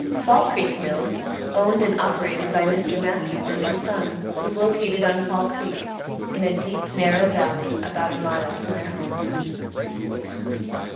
Fall Creek Mill, owned and operated by Mr. Matthews and his son, was located on Fall Creek in a deep, narrow valley, about a mile from their home.